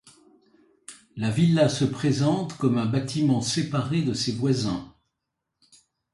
La villa se présente comme un bâtiment séparé de ses voisins.